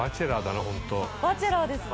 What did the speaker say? バチェラーですね。